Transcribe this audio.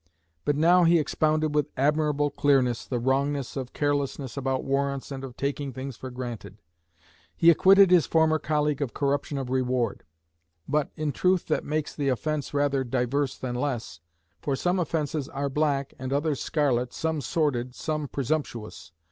But now he expounded with admirable clearness the wrongness of carelessness about warrants and of taking things for granted. He acquitted his former colleague of "corruption of reward;" but "in truth that makes the offence rather divers than less;" for some offences "are black, and others scarlet, some sordid, some presumptuous."